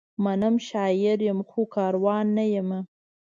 منم، شاعر یم؛ خو کاروان نه یمه